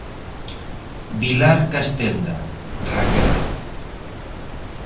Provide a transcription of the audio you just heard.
Vilar Castenda, Raquel.